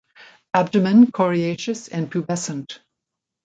Abdomen coriaceous and pubescent.